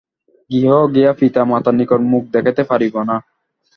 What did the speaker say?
গৃহে গিয়া পিতা মাতার নিকট মুখ দেখাইতে পারিব না।